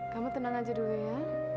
kamu tenang aja dulu ya